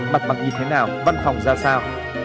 mặt mặt như thế nào văn phòng ra sao